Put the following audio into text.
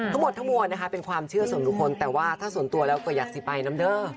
ทั้งหมดทั้งมวลนะคะเป็นความเชื่อส่วนบุคคลแต่ว่าถ้าส่วนตัวแล้วก็อยากจะไปน้ำเด้อ